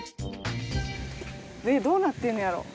えっどうなってんのやろ？